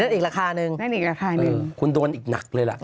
อันนั้นอีกราคานึงอันนั้นอีกราคานึงคุณโดนอีกหนักเลยล่ะ